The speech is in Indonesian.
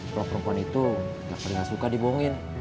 kalau perempuan itu enggak suka dibohongin